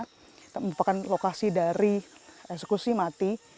kita merupakan lokasi dari eksekusi mati